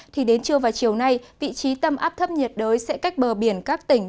thì đến trưa và chiều nay vị trí tâm áp thấp nhiệt đới sẽ cách bờ biển các tỉnh